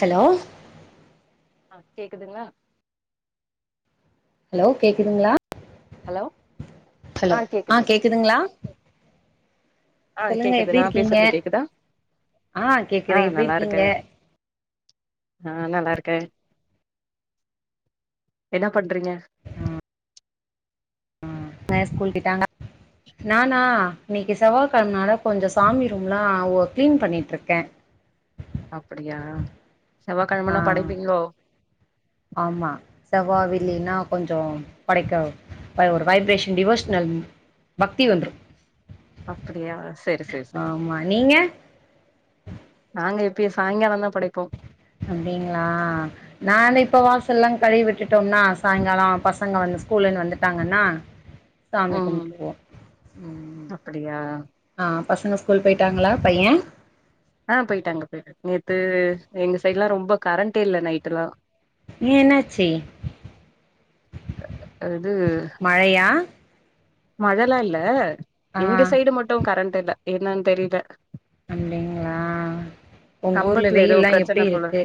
Hello ஆ கேக்குதுங்களா hello கேக்குதுங்ளா ஹலோ ஆ ஹலோ ஆஹ் கேக்குது கேக்குதுங்களா ஆ சொல்லுங்க கேக்குது எப்டி நா இருக்கீங்க பேசுறது கேக்குதா ஆஹ் கேக்குது எப்டி இருக்கீங்க ஆஹ் நல்லா இருக்கே என்ன பண்றீங்க என்ன ஸ்கூல் போய்ட்டாங்களா நானா இன்னிக்கு செவ்வாய்கிழமைனால கொஞ்ச சாமி ரூம் எல்லாம் கிளீன் பண்ணிட்ருக்கே அப்டியா ஆ செவ்வாய்கிழமன்னா படைப்பீங்களோ வா வெள்ளினா கொஞ்சோ படைக்க ஒரு வைப்ரேஷன் டிவோஷனல் பக்தி வந்துரு அப்டியா செரி-செரி-செரி ஆமா நீங்க நாங்க எப்பயு சாயங்காலந்தா படைப்போ அப்டிங்ளா நானு இப்ப வாசலல்லா கழுவி விட்டுட்டோம்னா சாயங்கால பசங்க வந்து ஸ்கூல்லந்து வந்துட்டாங்கன்னா சாமி ம் கும்ட்ருவோ ம் அப்படியா ஆ பசங்க ஸ்கூல் போயிட்டாங்ளா பைய ஆஹ் போயிட்டாங்க-போயிட்டாங்க நேத்து எங்க சைடுல்லா ரொம்ப கரண்டே இல்ல நைட்டு எல்லா ஏ என்னாச்சி இது மழையா மழலா இல்ல ஆ எங்க சைடு மட்டு கரண்ட் டு இல்ல என்னனு தெரியல அப்டிங்ளா உங்க ஊர்ல கம்பத்துல ஏதோ வெயில்லா எப்டி பிரச்சன போல இருக்கு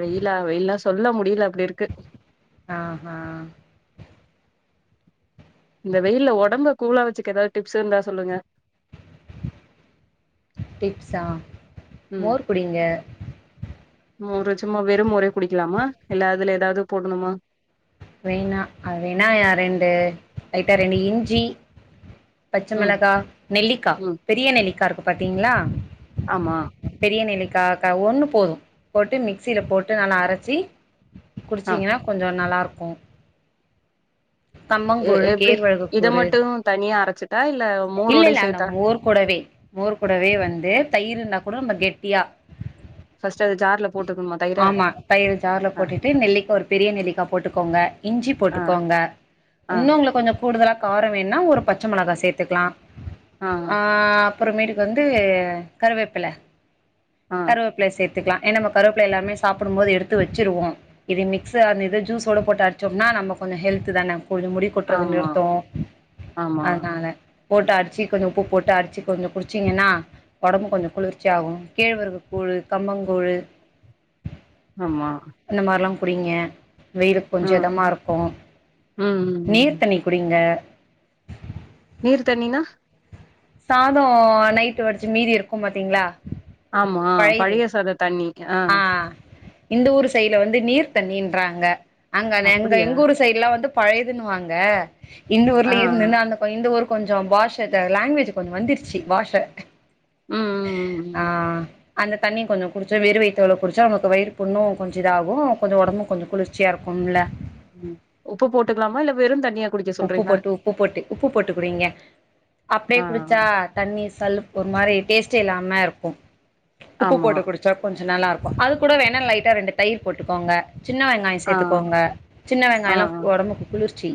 வெயிலா வெயில்லா சொல்ல முடியல அப்டி இருக்கு ஆஹ் ஹ இந்த வெயில்ல உடம்ப கூலா வச்சுக்க ஏதாவது டிப்ஸ் இருந்தா சொல்லுங்க டிப்ஸா மோர் குடிங்க மோரு சும்மா வெறு மோரே குடிக்கலாமா இல்ல அதுல ஏதாவது போடணுமா வேணா அது வேணா யா ரெண்டு லைட்டா ரெண்டு இஞ்சி ம் பச்சமிளகா நெல்லிக்கா ம் பெரிய நெல்லிக்காய் இருக்கு பாத்தீங்ளா ஆமா கீழநெல்லிக்கா கா ஒண்ணு போது போட்டு மிக்சியில போட்டு நல்லா அரைச்சி ஆ குடிச்சீங்கன்னா கொஞ்ச நல்லா இருக் [unintelligible] எ கம்பங்கூழு எப்டி இத கேழ்வரகுக்கூறு மட்டு தனியா அரச்சிட்டா இல்ல இல்ல மோரோடயு இல்ல அந்த சேத்தா மோர்க்குடவே மோர்க்குடவே வந்து தயிர் [unintelligible] கெட்டியா ஃபர்ஸ்ட் அது ஜார்ல போட்டுக்கணுமா தயிர ஆமா தயிர் ஜார்ல ஆ போட்டுட்டு நெல்லிக்கா ஒரு பெரிய நெல்லிக்கா போட்டு கொங்க இஞ்சி ஆ போட்டுக்கோங்க ஆ இன்னும் உங்களுக்கு கொஞ்ச கூடுதலா கார வேன்னா ஒரு பச்ச மொளகா சேத்துக்கிலாம் ஆ ஆஹ் அப்பற மீட்டுக்கு வந்து கருவேப்பல ஆ கருவேப்பில சேத் ததுகலா ஏ நம்ம கருப்வேப்புல எல்லாமே சாப்புடும் போது எடுத்து வச்சிருவோம் இது மிக்ஸ்ஆனது ஜூஸ் போடு போட்டு அடிச்சோம்னா நம்ப கொஞ்ச ஹெல்த்துதானே கொஞ்ச முடி கொட்றத ஆமா நிருத்தும் ஆமா அதுனால போட்டு அடிச்சு கொஞ்ச உப்பு போட்டு அடிச்சு கொஞ்ச குடிச்சீங்கனா ஒடம்பு கொஞ்ச குளிர்ச்சி ஆகும் கேழ்வரகு கூழ் கம்பங்கூழ் ஆமா புடிங்க வெயிலுக் கொஞ்ச ம் இதமா இருக்கும் ம் நீர் ம் தண்ணி குடிங்க நீர் தண்ணினா சாதம் நைட்டு வடிச்சு மீதி இருக்கு பாத்தீங்களா ஆமா பழையது பழய சாத தண்ணி ஆ ஆஹ் இந்த ஊர் சைல வந்து நீர் தண்ணின்றாங்க அங்க நெங்க அப்டியா எங்க ஊர் சைடு்லா வந்து பழையதுன்னுவாங்க இந்த ஆ ஆ ஊர்ல இந்துனா அந்த கொய் இந்த ஊரு கொஞ்ச பாஷை லாங்வேஜ் கொஞ்ச வந்துருச்சு பாஷை ம் ம் ம் ஆஹ் அந்த தண்ணி கொஞ்ச குடிச்ச வெறு வை துல குடிச்சா நமக்கு வயிறு புண்ணு கொஞ்ச இதாகும் கொஞ்ச ஒடம்பு கொஞ்ச குளிர்ச்சியா இருக்கும்ல உம் உப்பு போட்டுக்கலாமா இல்ல வெறு தண்ணியா குடிக்க உப்பு சொல்றீங்களா போட்டு உப்பு போட்டு உப்பு போட்டு குடிங்க அப்படியே ஆ குடிச்சா தண்ணி சல்லுப்பு ஒரு மாரி டேஸ்ட்டே இல்லாம இருக்கும் உப்பு ஆமா போட்டு குடிச்சா கொஞ் நல்லாருக்கு அது கூட வேணா லைட்டா ரெண்டு தயிர் போட்டுக்கோங்க சின்ன வெங்காய ஆ சேத்துக்கோங்க சின்ன வெங்காயல்லா ஒடம்புக்கு குளிர் ச்சி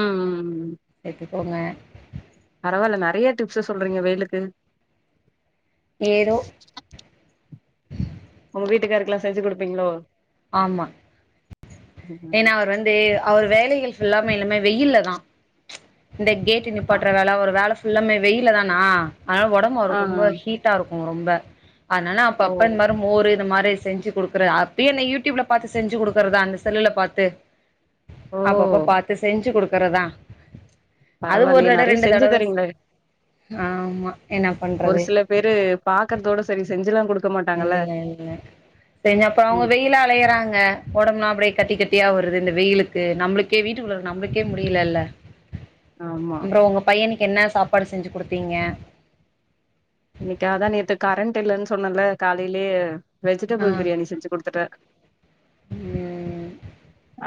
உம் உம் உம் போங்க பரவால்ல நறய டிப்ஸு சொல்றீங்க வெயிலுக்கு ஏதோ உங்க வீட்டுக்காருக்கெல்லா செஞ்சு குடுப்பீங்ளோ ஆமா ஏனா அவர் வந்து அவர் வேலைகள் ஃபுல்லாம எல்லாமே வெயில்ல தா இந்த கேட்டு ஆ நிப்பாட்ர வேல ஒரு வேல ஃபுல்லாமே வெயில்ல தானா அனால ஒடம்பு ஆ அவருக்கு ரொம்ப ஹீட்டா இருக் கு ரொம்ப ஆனால ஓ அப்பப்ப இது மாரி மோரு இதமாரி செஞ்சு குடுக்குற அப்பயு இந்த யூடியூப்ல பாத்து செஞ்சு குடுக்குறது தா செல்லுல பாத்து ஓ அப்பப்ப பாத்துசெஞ்சு குடுக் க்கிறதா பரவால்லயே நெறைய செஞ்சு தரீங்ளே ஆமா என்ன ஒரு பண்றது சில பேரு பாக்குறதோட செரி செஞ்சலா குடுக் இல்ல இல்ல செரி அப்ற அவுங்க ம் வெயிலா அலையறாங்க ஒடம்புலா அப்டியே கட்டி கட்டி யா வருது இந்த வெயிலுக்கு நம்ளுக்கே வீட்டுக்குள்ள இருக்க நம்மளுக்கே முடியலல்ல ஆமா அப்றோ உங்க பையனுக் கு என்ன சாப்பாடு செஞ்சு குடுத்தீங்க இன்னைக்கா அதா நேத்து கரண்ட் இல்லன் சொன்னல்ல காலைலயே வெஜிடபிள் பிரியாணி செஞ்சு குடுத்துட்டே உம்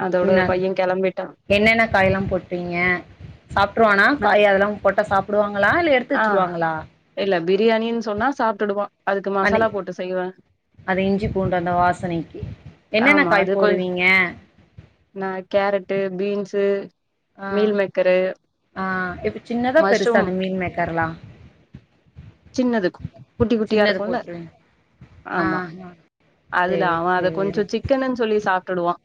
அதோட என்ன பைய கெளம்பிட்டா என்னென்ன காய்ல்லா போட்டீங்க சாப்ட்ருவானா நா காய் அதெல்லா போட்டா சாப்புடுவாங்களா இல்ல எடுத்து ஆ வச்சிருவாங்களா இல்ல பிரியாணின் சொன்னா சாப்டுடுவா அனி அது இஞ்சி பூண்டு அந்த வாசனைக்கு என்னன்ன ஆமா காய் அது கொஞ் போடுவீங்க து ஆ ஆ இப்ப சின்னதா பெருசா மஷ்ரூம் அந்த மீன் மேக்கர்ல்லா சின்னதுக்கு குட்டி குட்டியா இருக்குல்ல ஆ ஆமா ஆ. அதுல சரி அவெ அத சரி கொஞ்ச சிக்கனுன் சொல்லி சாப் டுடுவா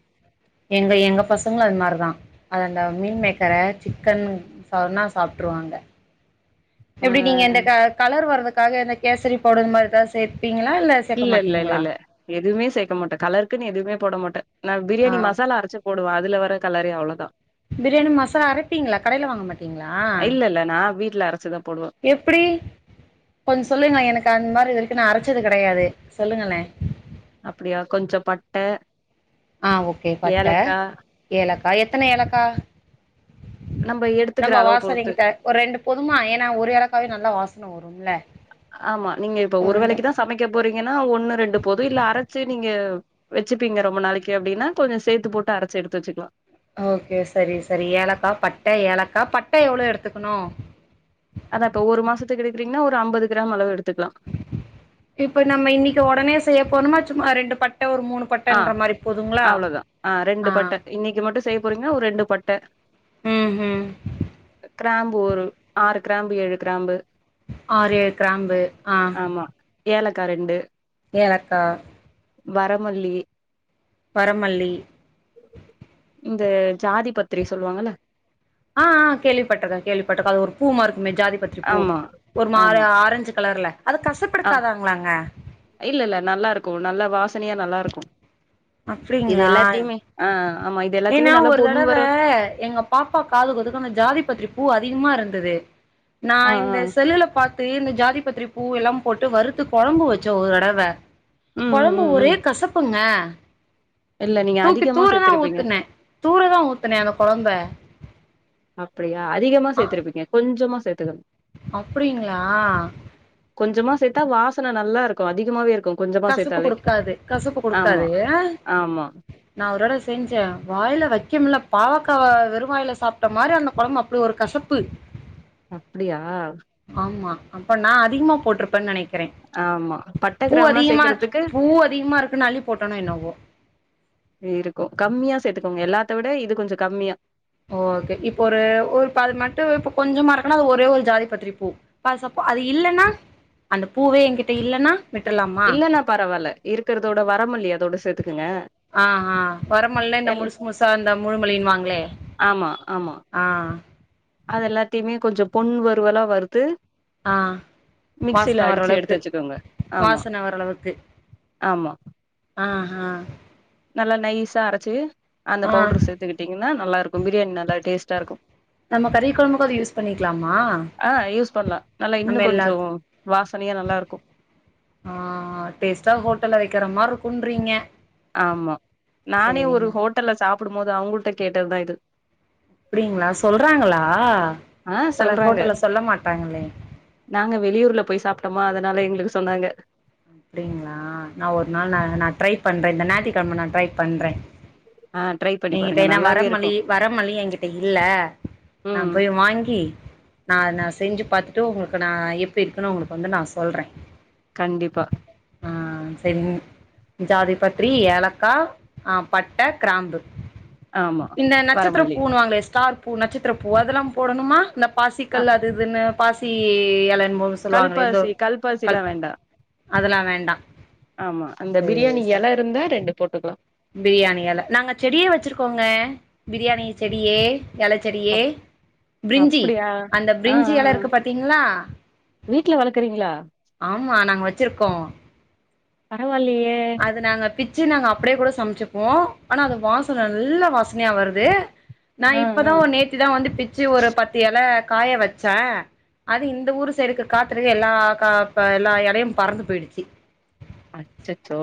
எங்க எங்க பசங்களு அது மாரிதா அ அந்த மீன் மேக்கரை சிக்கன் சொன்னா சாப்ட்ருவாங்க ஆ எப்டி நீங்க இந்த க கலர் வர்துக்கு க்காக கேசரி பவுடர் மாரிதா சேத் இல்ல இல்ல இல்ல இல்ல எதுவுமே சேக்கமாட்ட கலருக்குன்னு எதுவுமே போட மாட்ட நா பிரியாணி ஆ மசாலா அரைச்சு போடுவ அதுல வர கலரே அவ்ளோ தா பிரியாணி மசாலா அரைப்பீங்களா கடையில வாங்க மாட்டீங்களா இல்ல இல்ல நா வீட்ல அரச்சுதா போடுவே எப்டி கொஞ்ச சொல்லுங்க எனக்கு அந்த மாரி நா அரைச்சது கிடையாது சொல்லுங்களே அப்டியா கொஞ்ச பட்ட ஆஹ் ஓகே பட்ட ஏலக்கா ஏலக்கா எத்தன ஏலக்கா நம்ப எடுத்துக்கிற நம்ம அளவு பொறுத்து வாசனைக்கு த ஒரு ரெண்டு போதுமா ஏன்னா ஒரு ஏலக்காவே நல்லா வாச ன வரும்ல ஆமா நீங்க இப்ப ஒரு வேலைக்குதா சமைக்க போறீங்கன்னா ஒண்ணு ரெண்டு போது இல்ல அர செரி நீங்க வச்சிப்பீங்க ரொம்ப நாளைக்கு அப்டின்னா கொஞ்ச சேர்த்து போட்டு அரைச்சி எடுத்து வச்சிக்கலா ஓகே செரி செரி ஏலக்கா பட்ட ஏலக்கா பட்ட எவ்ளோ எடுத்துக்கணு அதா இப்ப ஒரு மாசத்துக்கு எடுக்குறீங்கன்னா ஒரு அம்பது கிராம் அளவு எடு இப்ப நம்ம இன்னிக்கு உடனே செய்ய போதுமா சும்மா ரெண்டு பட் ஆஹ் அவ்ளோதா ஆஹ் ஆ ரெண்டு பட்டை இன்னிக்கு மட்டு செய்ய போறீங்கானா ஒரு ரெண்டு பட்ட ம் ம் கிராம்பு ஒரு ஆறு கிராம்பு ஏழு கிராம்பு ஆறு ஏழு கிராம்பு ஆஹ ஆமா ஏலக்கா ரெண்டு ஏலக்கா வர மல்லி வரமல்லி இந்த ஜாதி பத்திரி சொல்லுவாங்கல ஆஹ்ஆஹ் கேள்விப்பட்டிருக்க கேள்விப்பட்டிருக்க அது ஒரு பூ மாரி இருக்கு மே ஜாதி பத்திரி பூ ஆமா ஒரு மாரி ஆமா ஆரஞ்சு கலர்ல அது ஆ கசப்பெடுக்காதாங்களாங்க இல்ல இல்ல நல்லா இருக்கு நல்ல வாசனையா நல்லா இருக்கு இது அப்டிங்களா எல்லாத்தையுமே ஆ ஆமா இது ஏன்னா எல்லாத்தையுமே நல்லா ஒரு பொன் தடவ வர எங்க பாப்பா காது [unintelligible] அந்த ஜாதி பத்திரி பூ அதிகமா இருந் தது நா ஆ ஆ இந்த செல்லுல பாத்து இந்த ஜாதி பத்திரி பூ எல்லாம் போட்டு வறுத்து கொழம்பு வச்சம் ஒருதடவை ம் ம் குழம்பு ம் ஒரே ம் கசப்புங்க [unintelligible] இல்ல நீங்க அதிகமா சேத்திருப்பீங்க ஊனே தூரதான் ஊத்துனே அந்த கொழம்ப அப்படியா அதிகமா சேர்த்திருப்பீங்க கொஞ்சமா சேத்துகனு அப்படிங்களா சேதா வாசன நல்லா இருக்கும் அதிகமாவே இருக்கும் கசுப்பு கொடுக்காது கசுப்பு ஆமா கொடுக்காது ஆஹ் ஆமா நான் ஒருத்தர் செஞ்சேன் வாயில வக்க வக்க முடியல பாவக்காவ வெறுவாயில சாப்பிட்ட மாரி அந்த கொழம்ப அப்படி ஒரு கசப்பு அப்படியா ஆமா அப்ப நான் அதிகமா போட்டிருப்பேன்னு நினை க்கிறேன் ஆமா பட்ட பூ கிராம்லா அதிகமா சேக்கறதுக்கு பூ அதிகமா இருக்குன்னு அதிகமா போட்டேனோ என்னவோ இருக்கும் கம்மியா சேர்த்துக்கோங்க எல்லாத்த விட இது கொஞ்சம் கம்மியா ஓகே இப்ப ஒரு ஒரு அது மட்டும் இப்ப கொஞ்சமா இருக்கன்னா அது ஒரே ஒரு ஜாதி பத்திரி பூ இப்ப அபோ அது இல்லன்னா அந்த பூவே என்கிட்ட இல்லன்னா விட்டுர்லாமா இல்லன்னா பரவாயில்ல இருக்கறதோட வர மல்லி அதோட சேர்த்துக் ஆஹ்ஹ் வரமல்லினா இந்த எல் முலுசு முழுசா இந்த முழுமல்லின்னு வாங்களே ஆமா ஆமா ஆஹ் அது எல்லாத்தையுமே கொஞ்சம் பொன் வருவலா வருத்து ஆஹ் வாசன வர எடுத்து அளவுக்கு வச்சுக்கோங்க ஆமா வாசன வர அளவுக்கு ஆமா ஆஹ் நல்லா நைஸா அரைச்சு அந்த ஆ பவுடரு சேர்த்துக்கிட்டீங்கன்னா நல்லா இருக்கும் பிரியாணி நல்லா டேஸ்ட்டா இருக்கும் நம்ம கறி கொழம்புக்கு அது யூஸ் பண்ணிக்கலாமா ஆஹ் யூஸ் பண்ணலாம் நல்லா நம்ம இன்னும் எல்லாத் கொஞ்சம் வாசனையா நல்லா இருக்கும் ஆ குன்றிங்க ஆமா நானே ஒரு ஹோட்டல்ல சாப்பிடும் போது அவங்கள்ட்ட கேட்டதுதான் இது அப்படிங்களா சொல்றாங்களா ஆ சில சொல்றாங்க ஹோட்டல்ல சொல்ல மாட்டாங்களே ஆமா அதனால எங்களுக்கு சொன்னாங்க அப்படிங்களா நான் ஒரு நாள் நான் நான் ட்ரை பண்றேன் இந்த ஞாயிறுக்கிழம நான் ட்ரை பண்றேன் ஆ ட்ரை பண்ணி எங்கிட்ட பாருங்க ஏன்னா நல்லாவே இருக்கு வரமல்லி வரமல்லி என்கிட்ட இல்ல நான் ம் போய் வாங்கி நான் அத நான் செஞ்சு பார்த்துட்டு உங்களுக்கு நான் எப்படி இருக்குன்னு உங்களுக்கு வந்து நான் சொல்றேன் கண்டிப்பா ஆ செரிங்க ஜாதி பத்திரி ஏலக்கா ஆ பட்ட கிராம்பு ஆமா இந்த நட்சத்திர வரமல்லி புணுவாங்களே ஸ்டார் பூ நட்சத்திர பூ அதெல்லாம் போடணுமா இல்ல ஆ பாசிக்கல் அது இதுன்னு பாசி எலா என்மோ சொல்லுவாங்கள எதோ கல்பாசி கல்பாசிலா கல் பா வேண்டா அதெல்லாம் வேண்டாம் ஆமா அந்த செரி பிரியாணி சார் எல இருந்தா ரெண்டு போட்டுக்கலா பிரியாணி எல நாங்க செடிய வச்சிருக்கோங்க பிரியாணி செடியே எல செடியே அப் பிரிஞ்சி அப்டியா அந்த ஆ பிரிஞ்சி ஆ இல ஆ இருக்கு பா்த்தீங்களா வீட்ல வளக்குறீங்களா ஆமா நாங்க வ க்கோ [unintelligible] வல்லியே சி நாங்க அப்டியே கூட சமைச்சுப்போம் ஆனா அது வாசன நல்ல வாசனயா வருது நான ஆ ஆ இப்தான் ஒரு நேத்திதான் வந்து பிச்சு ஒரு பத்து ஏல காய வச்சேன் அது இந்த ஊரு சைட் காத்துக்கு எல்லா கா எல்லா இலயும் பறந்து போயிடுச்சு அச்சச்சோ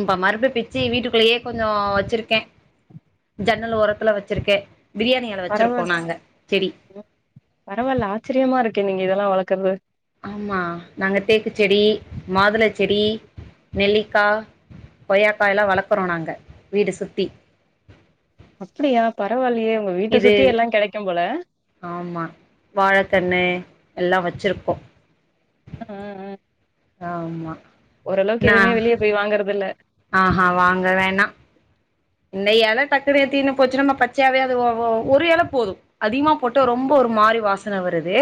இப்ப மறுபடியும் பிச்சு வீட்டுக்குள்ளேயே கொஞ்சம் வச்சிருக்கேன் ஜன்னல் ஓரத்துல வச்சிருக்கேன் பரவால்ல பரவால்ல ஆச்சரியமா இருக்கே நீங்க இதெல்லாம் வளர்க்கறது ஆமா நாங்க தேக்கு செடி மாதுள செடி நெல்லிக்கா கொய்யாக்காய் எல்லாம் வளர்க்கறோம் நாங்க வீடு சுத்தி அப்டியா பரவாயில்ல இது ஆமா வாழக்கண்ணு எல்லாம் வச்சிருக்கோம் உஹம் உஹம் ஆமா ஓரளவுக்கு எதுவுமே வெளிய போய் வாங்குறது இல்ல ஆஹஹ வாங்க வேணாம் இந்த இல டக்குன்னு தீந்து போச்சு நம்ம பச்சயாவே அது ஒரு இல போதும் அதிகமா போட்டு ரொம்ப ஒரு மாறி வாசன வருது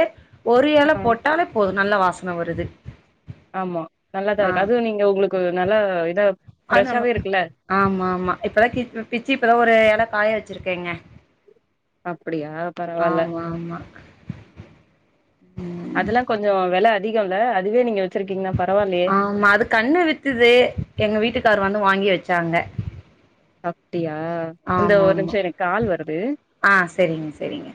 ஒரு இல ஆ போட்டாலே போதும் நல்லா வா வாசன வருது ஆமா நல்லாதான் ஆ இருக்கு அதுவும் நீங்க உங்களுக்கு நல்லா இத அது ஆமா ஆமா இப்த பிச்சு இப்தான் ஒரு இல காய வச்சிருக்கேங்க அப்படியா பரவாயில்ல ஆமா ஆமா ம் அதெல்லாம் கொஞ்சம் வெல அதிகம்ல அதுவே நீங்க வச்சிருக்கீங்கன்னா பரவால்லயே ஆமா அது கண்ணு வித்துது எங்க வீட்டுக்கார வந்து வாங்கி வச் வச்சாங்க அப் ஆமா ஆமா வருது ஆஹ் சேரிங்க சேரிங்க